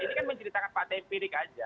ini kan menceritakan pak tmpric saja